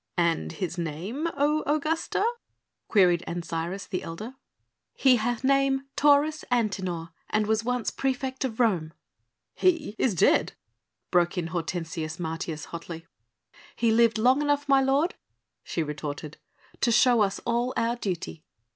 "And his name, O Augusta?" queried Ancyrus, the elder. "He hath name Taurus Antinor and was once praefect of Rome." "He is dead!" broke in Hortensius Martius hotly. "He lived long enough, my lord," she retorted, "to show us all our duty."